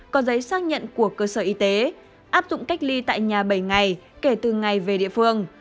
có giấy xác nhận của cơ sở y tế áp dụng cách ly tại nhà bảy ngày kể từ ngày về địa phương